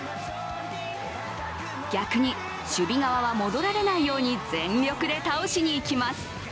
逆に守備側は戻られないように全力で倒しにいきます。